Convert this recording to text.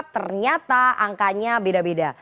ternyata angkanya beda beda